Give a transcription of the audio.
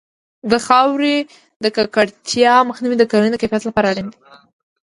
د خاورې د ککړتیا مخنیوی د کرنې د کیفیت لپاره اړین دی.